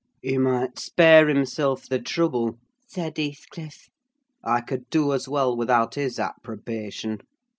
"He might spare himself the trouble," said Heathcliff: "I could do as well without his approbation.